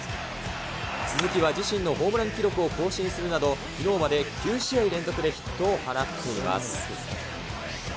鈴木は自身のホームラン記録を更新するなど、きのうまで９試合連続でヒットを放っています。